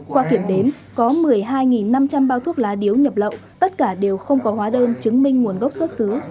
qua kiểm đếm có một mươi hai năm trăm linh bao thuốc lá điếu nhập lậu tất cả đều không có hóa đơn chứng minh nguồn gốc xuất xứ